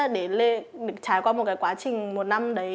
để trải qua một cái quá trình một năm đấy